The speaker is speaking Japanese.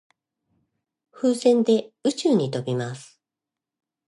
風船で宇宙に飛びます。